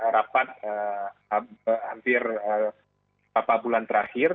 rapat hampir beberapa bulan terakhir